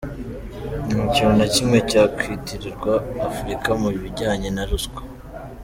Nta kintu na kimwe cyakwitirirwa Afurika mu bijyanye na ruswa.